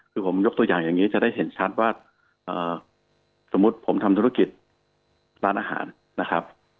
คือผมยกตัวอย่างอย่างนี้จะได้เห็นชัดว่าสมมุติผมทำธุรกิจร้านอาหารนะครับ